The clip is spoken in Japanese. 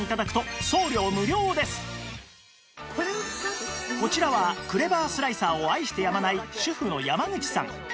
さらにこちらはクレバースライサーを愛してやまない主婦のやまぐちさん